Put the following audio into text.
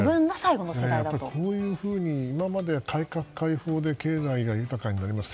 こういうふうに今まで改革開放で経済が豊かになります。